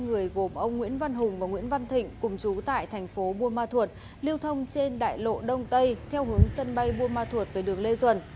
hai người gồm ông nguyễn văn hùng và nguyễn văn thịnh cùng chú tại tp buôn ma thuột liêu thông trên đại lộ đông tây theo hướng sân bay buôn ma thuột về đường lê duẩn